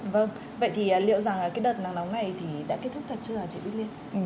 vâng vậy thì liệu rằng đợt nắng nóng này đã kết thúc thật chưa hả chị bích liên